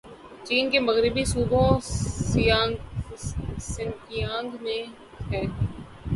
چین کے مغربی صوبے سنکیانگ میں ہے